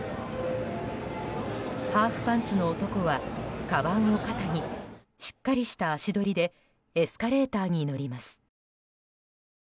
ハーフパンツの男はかばんを肩にしっかりした足取りでエスカレーターに乗ります。